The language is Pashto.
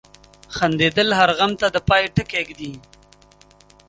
• خندېدل هر غم ته د پای ټکی ږدي.